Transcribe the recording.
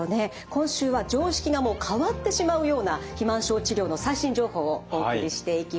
今週は常識が変わってしまうような肥満症治療の最新情報をお送りしていきます。